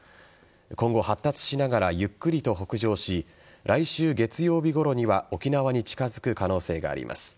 今後、発達しながらゆっくりと北上し来週月曜日ごろには沖縄に近づく可能性があります。